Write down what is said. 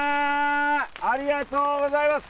ありがとうございます！